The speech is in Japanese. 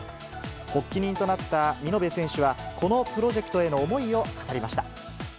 発起人となった見延選手は、このプロジェクトへの思いを語りました。